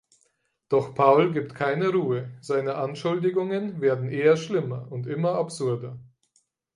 Doch Paul gibt keine Ruhe, seine Anschuldigungen werden eher schlimmer und immer absurder.